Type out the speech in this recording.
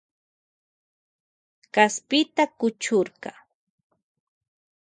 Kuchurka kaspita.